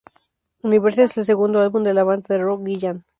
Universe es el segundo álbum de la banda de rock Gillan.